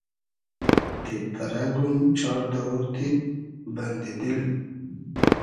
تید پئرئگوم چار دئوور تید, بئندی دیل